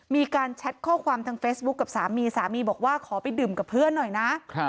แชทข้อความทางเฟซบุ๊คกับสามีสามีบอกว่าขอไปดื่มกับเพื่อนหน่อยนะ